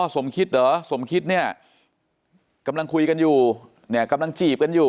สมคิดเหรอสมคิดเนี่ยกำลังคุยกันอยู่เนี่ยกำลังจีบกันอยู่